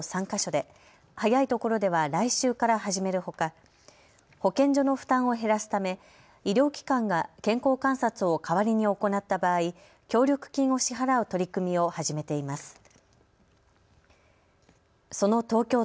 ３か所で早いところでは来週から始めるほか保健所の負担を減らすため、医療機関が健康観察を代わりに行った場合、協力金を支払う取り組みを始めています。